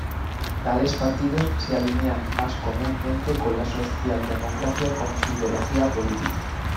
Tales partidos se alinean más comúnmente con la socialdemocracia como su ideología política.